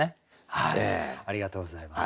ありがとうございます。